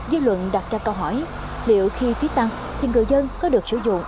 dư luận đặt ra câu hỏi liệu khi phí tăng thì người dân có được sử dụng